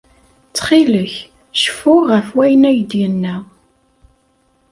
Ttxil-k, cfu ɣef wayen ay d-yenna.